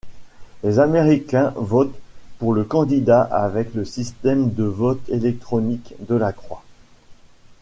Les Américains votent pour le candidat avec le système de vote électronique Delacroy.